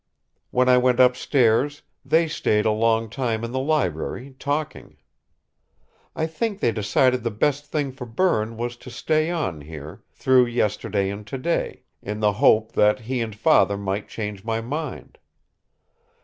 When I went upstairs, they stayed a long time in the library, talking. "I think they decided the best thing for Berne was to stay on here, through yesterday and today, in the hope that he and father might change my mind.